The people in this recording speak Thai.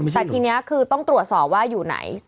แต่ทีนี้คือต้องตรวจสอบว่าอยู่ไหน